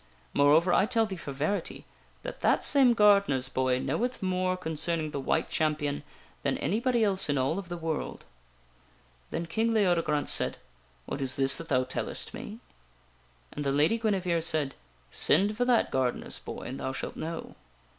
Moreover, I tell thee for verity that that same gardener's boy knoweth more concerning the White Champion than anybody else in all of the world." Then King Leodegrance said :" What is this that thou tellestme?" And the Lady Guinevere said: " Send for that gardener's boy and thou shalt know."